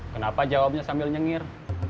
kenapa jawabnya sambil nyengir